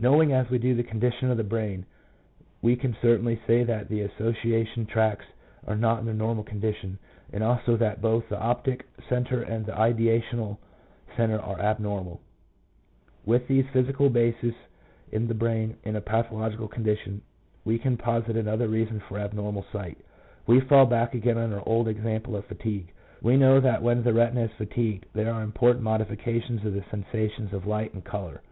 Knowing as we do the condition of the brain, we can certainly say that the association tracts are not in their normal condition, and also that both the optic centre and the ideational centre are abnormal. With these physical bases in the brain in a patho logical condition, we can posit another reason for abnormal sight. We fall back again on our old example of fatigue. We know that when the retina is fatigued there are important modifications of the sensations of light and colour.